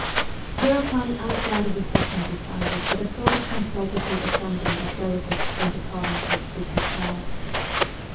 Thereupon Alexander II. decided that a sort of consultative assembly of delegates from the provinces should be called.